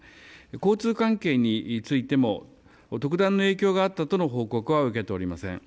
交通関係についても特段の影響があったとの報告は受けておりません。